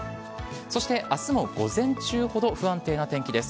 そしてあすも午前中ほど不安定な天気です。